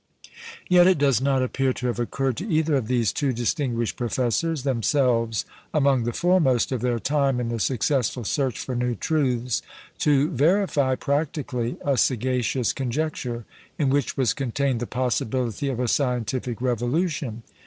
Yet it does not appear to have occurred to either of these two distinguished professors themselves among the foremost of their time in the successful search for new truths to verify practically a sagacious conjecture in which was contained the possibility of a scientific revolution.